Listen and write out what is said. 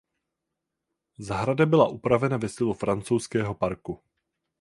Zahrada byla upravena ve stylu francouzského parku.